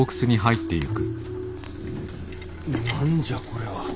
何じゃこれは。